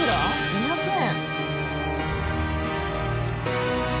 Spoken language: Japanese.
２００円。